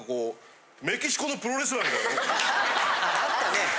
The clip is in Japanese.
あったねぇ。